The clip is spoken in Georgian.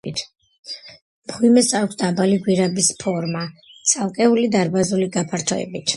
მღვიმეს აქვს დაბალი გვირაბის ფორმა, ცალკეული დარბაზული გაფართოებით.